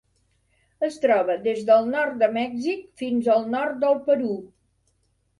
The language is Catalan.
Es troba des del nord de Mèxic fins al nord del Perú.